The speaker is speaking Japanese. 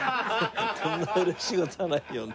こんな嬉しい事はないよね。